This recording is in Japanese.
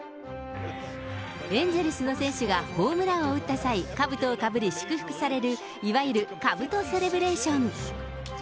エンゼルスの選手がホームランを打った際、かぶとをかぶり、祝福されるいわゆるかぶとセレブレーション。